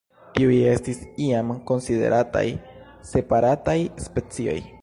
Tiuj estis iam konsiderataj separataj specioj.